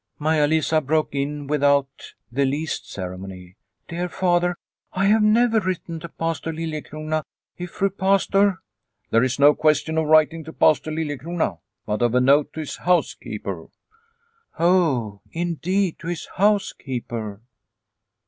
Maia Lisa broke in without the least cere mony. " Dear Father, I have never written to Pastor Liliecrona. If Fru Pastor ..."' There is no question of writing to Pastor Liliecrona, but of a note to his housekeeper." " Oh, indeed, to his housekeeper